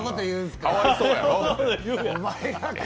かわいそうやろ。